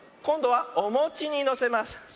こんどはおもちにのせます。